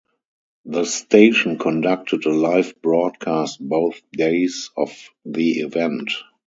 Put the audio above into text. The station conducted a live broadcast both days of the event.